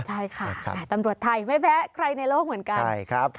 ใช่ค่ะตำรวจไทยไม่แพ้ใครในโลกเหมือนกัน